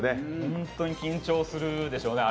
本当に緊張するでしょうね。